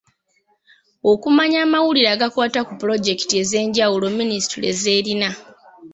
Okumanya amawulire agakwata ku pulojekiti ez'enjawulo Minisitule z'erina.